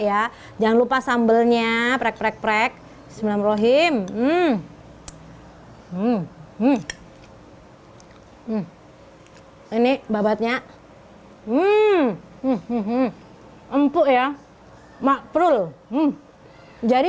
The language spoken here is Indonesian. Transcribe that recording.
ya jangan lupa sambelnya prek prek sembilan rohim hmm hmm hmm ini babatnya hmm empuk ya makrul jadi